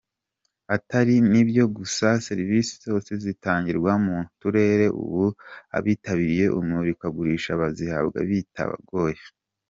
Atari n’ibyo gusa serivisi zose zitangirwa mu turere ubu abitabiriye imurikagurisha bazihabwa bitabagoye.